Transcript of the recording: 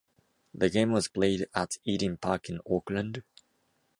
The game was played at Eden Park in Auckland.